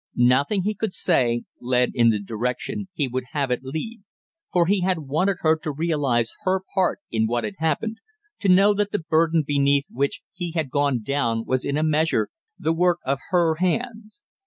Nothing he could say led in the direction he would have had it lead, for he wanted her to realize her part in what had happened, to know that the burden beneath which he had gone down was in a measure the work of her hands.